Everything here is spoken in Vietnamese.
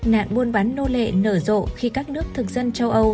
nạn buôn bán nô lệ nở rộ khi các nước thực dân châu âu